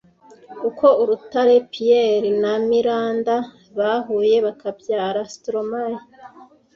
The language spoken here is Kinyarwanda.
uko Rutare Pierre na Miranda bahuye bakabyara Stromae